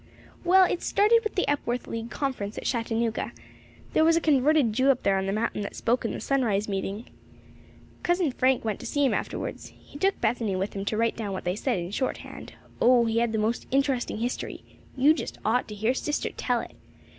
"Well, it started with the Epworth League Conference at Chattanooga. There was a converted Jew up there on the mountain that spoke in the sunrise meeting. Cousin Frank went to see him afterwards. He took Bethany with him to write down what they said in shorthand. O, he had the most interesting history! You just ought to hear sister tell it.